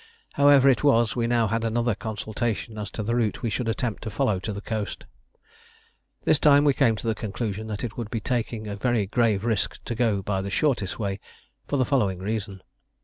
However it was, we now had another consultation as to the route we should attempt to follow to the coast. This time we came to the conclusion that it would be taking a very grave risk to go by the shortest way for the following reason.